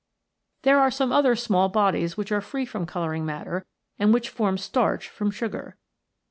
There are some other small bodies which are free from colouring matter, and which form starch from sugar.